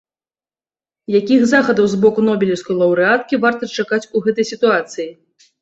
Якіх захадаў з боку нобелеўскай лаўрэаткі варта чакаць у гэтай сітуацыі?